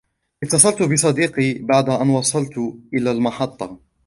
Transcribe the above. اتصلت بصديقي بعد أن وصلتُ إلى المحطة.